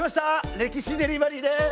歴史デリバリーです！